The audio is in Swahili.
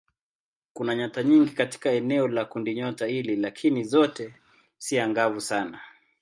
Kuna nyota nyingi katika eneo la kundinyota hili lakini zote si angavu sana.